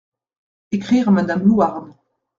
Écrire à madame Louarn.